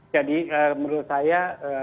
jadi menurut saya